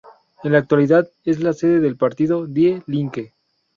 En la actualidad es la sede del partido "Die Linke".